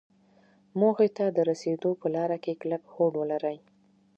موخې ته د رسېدو په لاره کې کلک هوډ ولري.